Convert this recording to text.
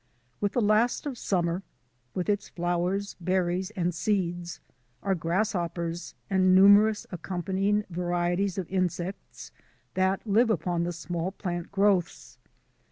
With the last stand of summer— with its flowers, berries, and seeds — are grasshoppers and numer ous accompanying varieties of insects that live upon the small plant growths.